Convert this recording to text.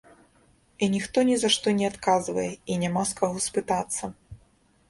І ніхто ні за што не адказвае, і няма з каго спытацца.